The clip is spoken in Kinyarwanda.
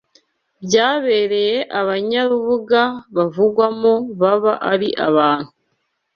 byabereye Abanyarubuga bavugwamo baba ari abantu